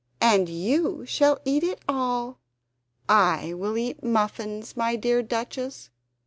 And YOU shall eat it all! I will eat muffins, my dear Duchess!"